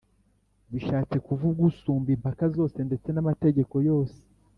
”- bishatse kuvuga usumba impaka zose ndetse n’amategeko yose